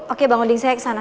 oke bang odin saya ke sana